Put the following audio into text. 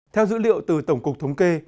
theo dữ liệu từ tổng cục thống kê